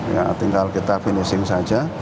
ya tinggal kita finishing saja